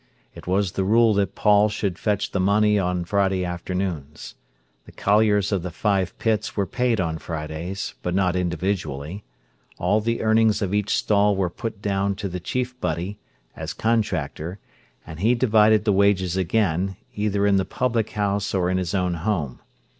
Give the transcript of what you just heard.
It was the rule that Paul should fetch the money on Friday afternoons. The colliers of the five pits were paid on Fridays, but not individually. All the earnings of each stall were put down to the chief butty, as contractor, and he divided the wages again, either in the public house or in his own home.